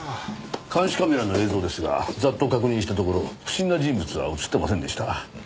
監視カメラの映像ですがざっと確認したところ不審な人物は映ってませんでした。